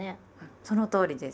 そのとおりです。